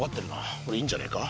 これいいんじゃねえか？